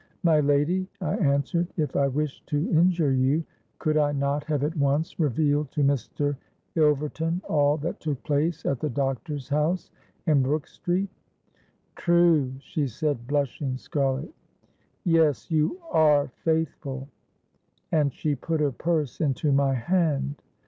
—'My lady,' I answered, 'if I wished to injure you, could I not have at once revealed to Mr. Ilverton all that took place at the doctor's house in Brook Street?'—'True!' she said, blushing scarlet. 'Yes—you are faithful!' and she put her purse into my hand.